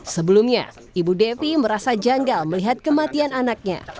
sebelumnya ibu devi merasa janggal melihat kematian anaknya